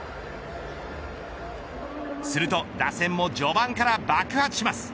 すると打線も序盤から爆発します。